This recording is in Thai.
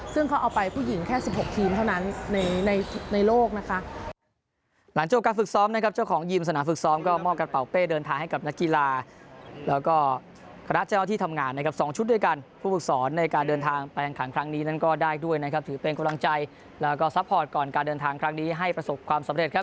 ซึ่งเขาเอาไปผู้หญิงแค่๑๖ทีมเท่านั้นในโลกนะคะ